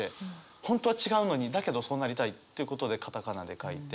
本当は違うのにだけどそうなりたいっていうことでカタカナで書いて。